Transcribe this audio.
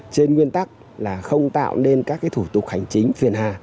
trên nguyên tắc là không tạo nên các thủ tục hành chính phiền hà